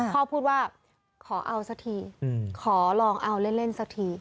พ่อพูดว่าขอเอาซะทีขอลองเอาเล่นซะที